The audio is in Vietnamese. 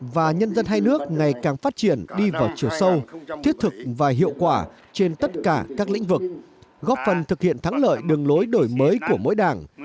và nhân dân hai nước ngày càng phát triển đi vào chiều sâu thiết thực và hiệu quả trên tất cả các lĩnh vực góp phần thực hiện thắng lợi đường lối đổi mới của mỗi đảng